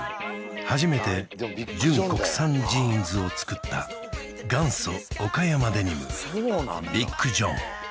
初めて純国産ジーンズを作った元祖岡山デニムＢＩＧＪＯＨＮ